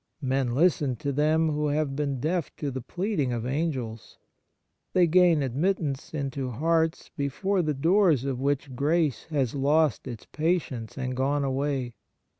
Men listen to them who have been deaf to the pleading of Angels. They gain admit tance into hearts before the doors of which grace has lost its patience and gone away.